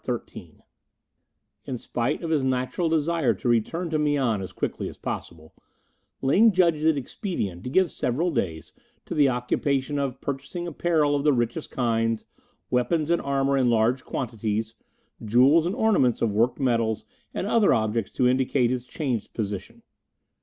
CHAPTER XIII In spite of his natural desire to return to Mian as quickly as possible, Ling judged it expedient to give several days to the occupation of purchasing apparel of the richest kinds, weapons and armour in large quantities, jewels and ornaments of worked metals and other objects to indicate his changed position.